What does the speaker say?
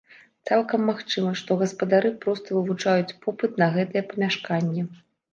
Цалкам магчыма, што гаспадары проста вывучаюць попыт на гэтае памяшканне.